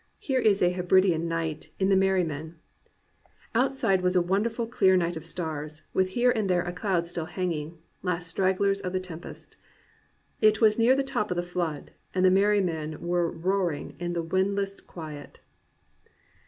Here is a Hebridean night, in The Merry Men: "Outside was a wonderful clear night of stars, with here and there a cloud still hanging, last stragglers of the tempest. It was near the top of the flood, and the Merry Men were roaring in the windless quiet."